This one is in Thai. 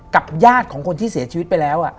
ญาติของคนที่เสียชีวิตไปแล้ว